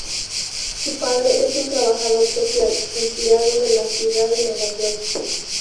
Su padre es un trabajador social, empleado de la ciudad de Nueva York.